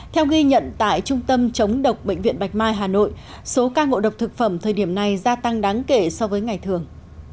theo ghi nhận tại trung tâm chống độc bệnh viện bạch mai hà nội số ca ngộ độc thực phẩm thời điểm này gia tăng đáng kể so với ngày thường